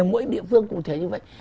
mỗi địa phương cụ thể như vậy